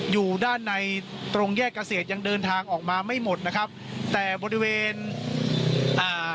อยู่ด้านในตรงแยกเกษตรยังเดินทางออกมาไม่หมดนะครับแต่บริเวณอ่า